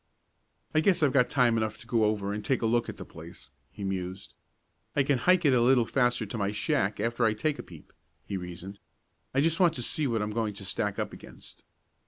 "I guess I've got time enough to go over and take a look at the place," he mused. "I can hike it a little faster to my shack after I take a peep," he reasoned. "I just want to see what I'm going to stack up against."